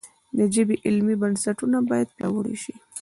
د ژبې علمي بنسټونه باید پیاوړي شي.